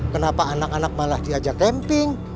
kenapa anak anak malah diajak camping